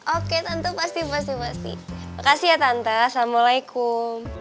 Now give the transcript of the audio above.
oke tante pasti pasti pasti makasih ya tante assalamualaikum